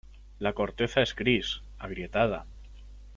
La corteza es gris, agrietada.